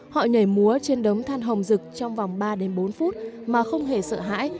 họ nhảy múa trên đống than hồng rực trong vòng ba đến bốn phút mà không hề sợ hãi